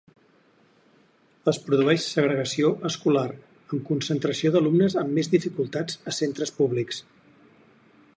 Es produeix segregació escolar, amb concentració d’alumnes amb més dificultats a centres públics.